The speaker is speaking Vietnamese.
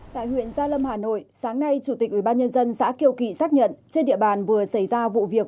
tại huyện gia lâm hà nội sáng nay chủ tịch ubnd xã kiều kỵ xác nhận trên địa bàn vừa xảy ra vụ việc